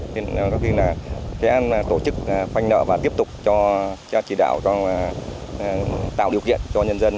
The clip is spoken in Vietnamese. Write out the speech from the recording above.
nên có khi là sẽ tổ chức khoanh nợ và tiếp tục cho chỉ đạo tạo điều kiện cho nhân dân